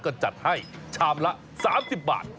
ก็จัดให้ชามละ๓๐บาท